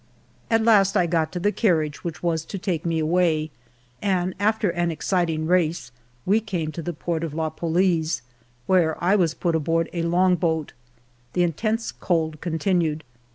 At last I got to the carriage which was to take me away, and after an exciting race we came to the port of La Palice, where I was put aboard a long boat. The intense cold continued.